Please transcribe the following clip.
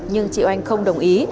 nhưng chị oanh không đồng ý